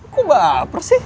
kok baper sih